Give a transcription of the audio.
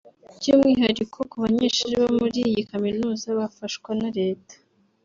By’umwihariko ku banyeshuri bo muri iyi kaminuza bafashwa na Leta